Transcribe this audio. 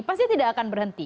pasti tidak akan berhenti